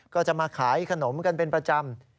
ก็จะมาขายขนมกันเป็นประจำ